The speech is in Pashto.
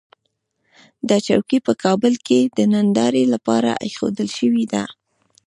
دا چوکۍ په کابل کې د نندارې لپاره اېښودل شوې ده.